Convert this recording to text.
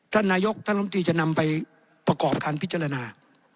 ท่านนายกท่านลมตรีจะนำไปประกอบการพิจารณา